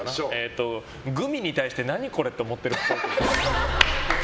グミに対して何これ？って思ってるっぽい。